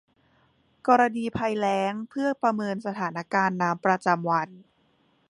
กรณีภัยแล้งเพื่อประเมินสถานการณ์น้ำประจำวัน